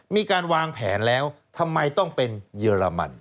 มีการวางแผนแล้วทำไมต้องเป็นเยอรมัน